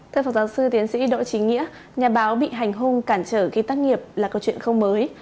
thưa phó giáo sư tiến sĩ đỗ trí nghĩa nhà báo bị hành hung cản trở khi tác nghiệp là câu chuyện không mới